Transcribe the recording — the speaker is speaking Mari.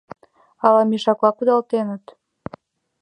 — Ала мешакла кудалтеныт?